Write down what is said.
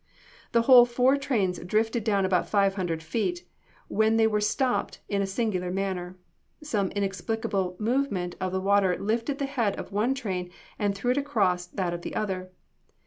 The whole four trains drifted down about five hundred feet, when they were stopped in a singular manner. Some inexplicable movement of the water lifted the head of one train and threw it across that of the other.